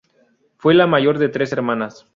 Fue la mayor de tres hermanas.